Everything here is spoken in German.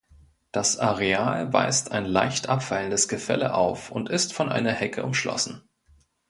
Das Areal weist ein leicht abfallendes Gefälle auf und ist von einer Hecke umschlossen.